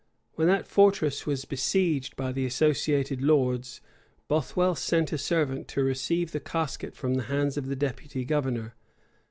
When that fortress was besieged by the associated lords, Bothwell sent a servant to receive the casket from the hands of the deputy governor.